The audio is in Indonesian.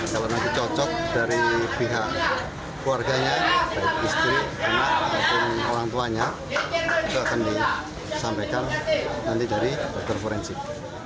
kalau nanti cocok dari pihak keluarganya baik istri anak maupun orang tuanya itu akan disampaikan nanti dari dokter forensik